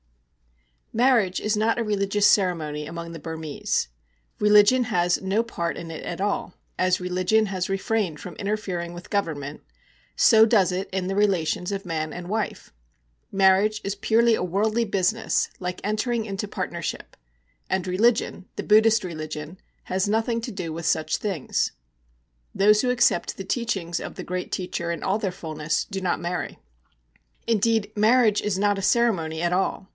_ Marriage is not a religious ceremony among the Burmese. Religion has no part in it at all; as religion has refrained from interfering with Government, so does it in the relations of man and wife. Marriage is purely a worldly business, like entering into partnership; and religion, the Buddhist religion, has nothing to do with such things. Those who accept the teachings of the great teacher in all their fulness do not marry. Indeed, marriage is not a ceremony at all.